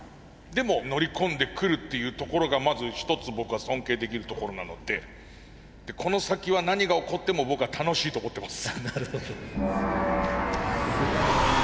でも乗り込んでくるっていうところがまず一つ僕は尊敬できるところなのでこの先は何が起こっても僕は楽しいと思ってます。